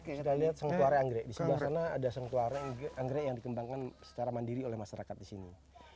kita lihat sengtuare anggrek di sebelah sana ada sengtuare anggrek yang dikembangkan secara mandiri oleh masyarakat di sini